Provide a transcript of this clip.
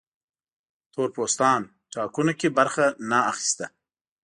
تور پوستان ټاکنو کې برخه نه اخیسته.